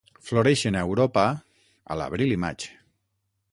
Floreixen a Europa a l'abril i maig.